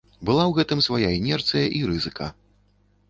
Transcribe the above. Была ў гэтым свая інерцыя і рызыка.